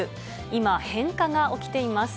今、変化が起きています。